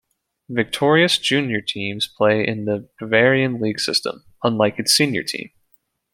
"Viktorias" junior teams play in the Bavarian league system, unlike its senior team.